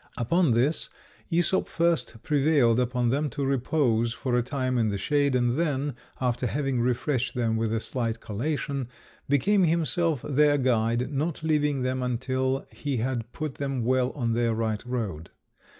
Upon this, Æsop first prevailed upon them to repose for a time in the shade, and then, after having refreshed them with a slight collation, became himself their guide, not leaving them until he had put them well on their right road.